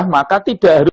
maka tidak harus